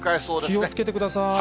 気をつけてください。